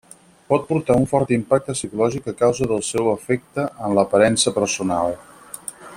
Pot portar a un fort impacte psicològic a causa del seu efecte en l'aparença personal.